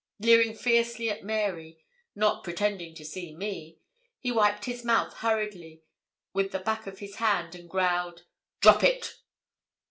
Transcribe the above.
Leering fiercely at Mary, not pretending to see me, he wiped his mouth hurriedly with the back of his hand, and growled 'Drop it.'